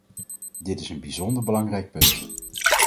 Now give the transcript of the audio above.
Dit is een bijzonder belangrijk punt.